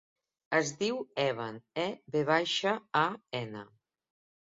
Es diu Evan: e, ve baixa, a, ena.